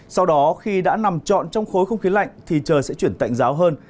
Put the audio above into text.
sau đó khi đã nằm trọn trong khối không khí lạnh thì trời sẽ chuyển tạnh giáo hơn